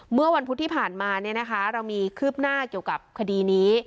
เมื่อวันพุธที่ผ่านมาเรามีคืบหน้าเกี่ยวกับคดีนี้